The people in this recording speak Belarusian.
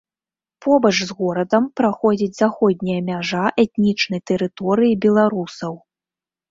Побач з горадам праходзіць заходняя мяжа этнічнай тэрыторыі беларусаў.